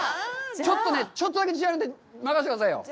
ちょっとね、ちょっとだけ自信あるので、任せてくださいよ。